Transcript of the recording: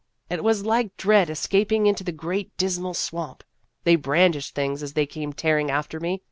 It was like Dred escaping into the great Dismal Swamp. They brandished things as they came tearing after me.